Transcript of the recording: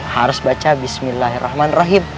harus baca bismillahirrahmanirrahim